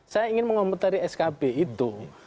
saya ingin mengomentari skb itu